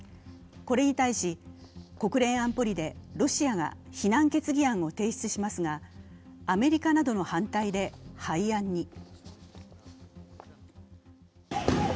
これに対し国連安保理でロシアが非難決議案を提出しますがアメリカなどの反対で廃案に。